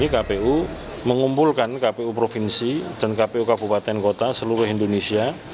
kpu mengumpulkan kpu provinsi dan kpu kabupaten kota seluruh indonesia